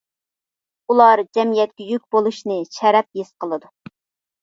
ئۇلار جەمئىيەتكە يۈك بولۇشنى «شەرەپ» ھېس قىلىدۇ.